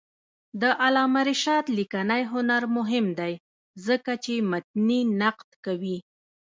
د علامه رشاد لیکنی هنر مهم دی ځکه چې متني نقد کوي.